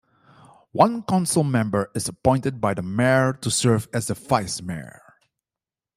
One council member is appointed by the Mayor to serve as the Vice-Mayor.